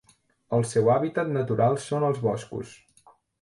El seu hàbitat natural són els boscos.